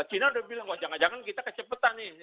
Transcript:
cina udah bilang kok jangan jangan kita kecepatan nih